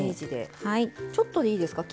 ちょっとでいいですか？